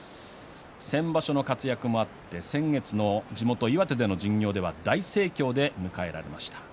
先場所の活躍もあって先月の地元、岩手での巡業では大盛況で迎えられました。